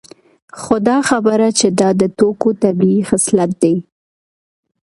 خو دا خبره چې دا د توکو طبیعي خصلت دی